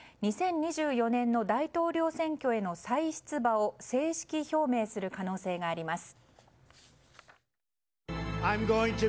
２０２４年の大統領選挙への再出馬を正式表明する可能性があります。